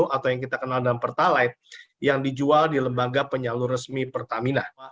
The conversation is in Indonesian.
atau yang kita kenal dalam pertalite yang dijual di lembaga penyalur resmi pertamina